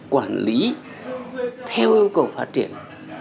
quản lý theo yêu cầu phát triển